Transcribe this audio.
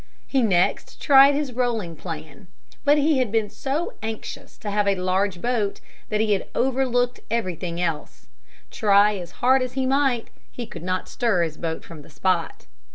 He next tried his rolling plan. But he had been so anxious to have a large boat that he had overlooked everything else. Try as hard as he might he could not stir his boat from the spot.